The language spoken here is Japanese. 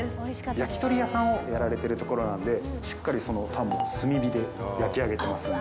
焼き鳥屋さんをやられてるところなのでしっかりタンも炭火で焼きあげてますので。